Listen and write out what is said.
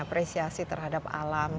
apresiasi terhadap alam